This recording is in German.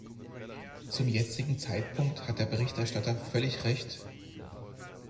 Zum jetzigen Zeitpunkt hat der Berichterstatter völlig recht.